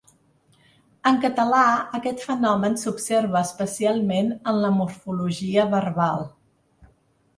En català aquest fenomen s'observa especialment en la morfologia verbal.